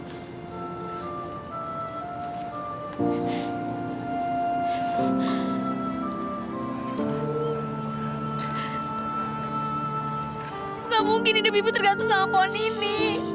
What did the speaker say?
ibu gak mungkin hidup ibu tergantung sama pohon ini